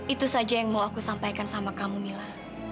itu saja yang mau aku sampaikan sama kamu mila